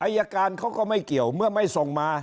อายการเขาก็ไม่เกี่ยวเมื่อไม่ส่งมา